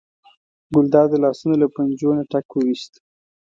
ګلداد د لاسونو له پنجو نه ټک وویست.